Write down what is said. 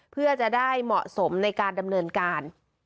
เพื่อจะได้เหมาะสมในการดำเนินการ